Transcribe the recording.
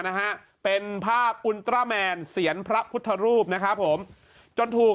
นะฮะเป็นภาพอุลตราแมนเสียงพระพุทธรูปนะครับผมจนถูก